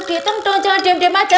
ditem dong jangan diem diem aja